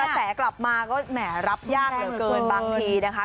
แสกลับมาก็แหมรับยากเหลือเกินบางทีนะคะ